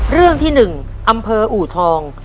เรื่องที่๑อำเภออูทอง